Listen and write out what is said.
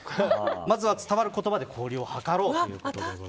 まずは伝わる言葉で交流を図ろうと。